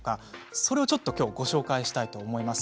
それをきょうはご紹介したいと思います。